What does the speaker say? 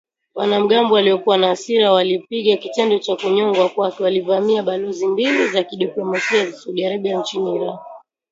Wanamgambo waliokuwa na hasira walipinga kitendo cha kunyongwa kwake, walivamia balozi mbili za kidiplomasia za Saudi Arabia nchini Iran